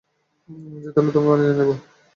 যেতে হলে তোমায় জানিয়ে দেবো।